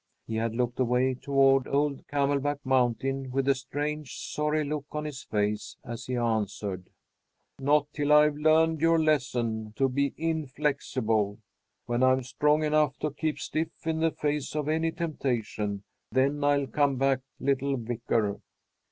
He had looked away toward old Camelback Mountain with a strange, sorry look on his face as he answered: "Not till I've learned your lesson to be 'inflexible.' When I'm strong enough to keep stiff in the face of any temptation, then I'll come back, little Vicar."